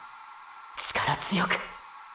力強く！！